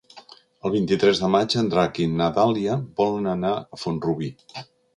El vint-i-tres de maig en Drac i na Dàlia volen anar a Font-rubí.